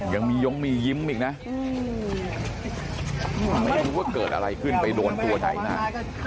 ยังมีย้งมียิ้มอีกนะไม่รู้ว่าเกิดอะไรขึ้นไปโดนตัวใดหน้า